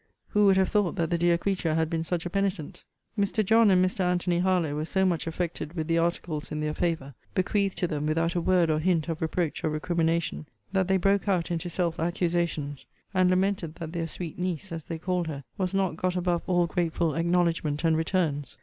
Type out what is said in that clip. Who would have thought that the dear creature had been such a penitent? Mr. John and Mr. Antony Harlowe were so much affected with the articles in their favour, (bequeathed to them without a word or hint of reproach or recrimination,) that they broke out into self accusations; and lamented that their sweet niece, as they called her, was not got above all grateful acknowledgement and returns.